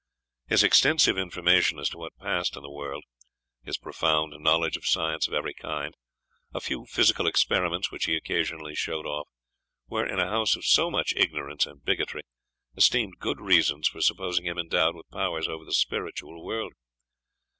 His extensive information as to what passed in the world his profound knowledge of science of every kind a few physical experiments which he occasionally showed off, were, in a house of so much ignorance and bigotry, esteemed good reasons for supposing him endowed with powers over the spiritual world.